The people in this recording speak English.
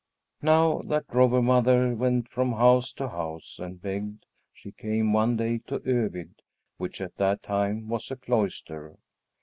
Now that Robber Mother went from house to house and begged, she came one day to Övid, which at that time was a cloister.